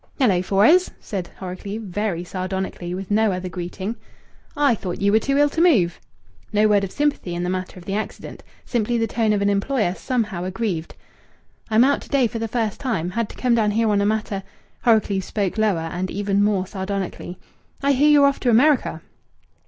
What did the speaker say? "Hello, Fores!" said Horrocleave very sardonically, with no other greeting. "I thought ye were too ill to move." No word of sympathy in the matter of the accident! Simply the tone of an employer somehow aggrieved! "I'm out to day for the first time. Had to come down here on a matter " Horrocleave spoke lower, and even more sardonically. "I hear ye're off to America."